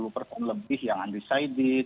lima puluh persen lebih yang undecided